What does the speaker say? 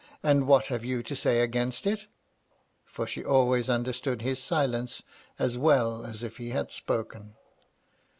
and what have you to say against it?" For she always understood his silence as well as if he had spoken.